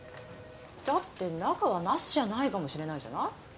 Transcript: だって中は茄子じゃないかもしれないじゃない。